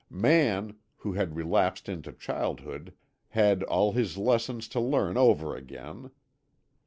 Man, who had relapsed into childhood, had all his lessons to learn over again.